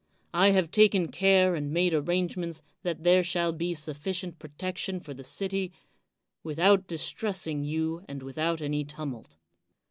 I have taken care and made arrangements that there shall be sufficient protection for the city without distressing you and without any tumult.